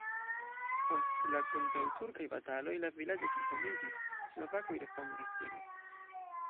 Post la kontraŭturkaj bataloj la vilaĝo senhomiĝis, slovakoj refondis ĝin.